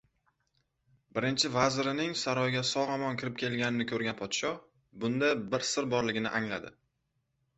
Birinchi vazirining saroyga sogʻ-omon kirib kelganini koʻrgan podsho bunda bir sir borligini angladi.